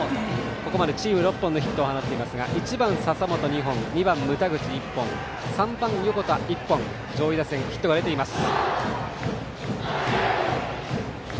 ここまでチームで６本ヒットを放っていますが１番、笹本２本２番、牟田口１本３番、横田１本上位打線はヒットが出ています。